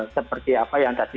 seperti apa yang tadi